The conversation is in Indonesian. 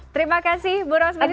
terima kasih bu rosmeli